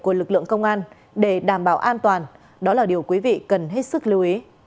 của lực lượng công an để đảm bảo an toàn đó là điều quý vị cần hết sức lưu ý